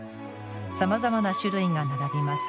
さまざまな種類が並びます。